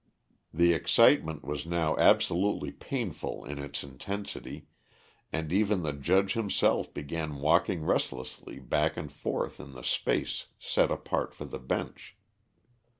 The excitement was now absolutely painful in its intensity, and even the judge himself began walking restlessly back and forth in the space set apart for the bench.